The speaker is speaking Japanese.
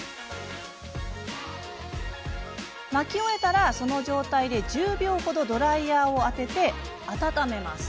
巻き終えたらその状態で１０秒程ドライヤーを当て、温めます。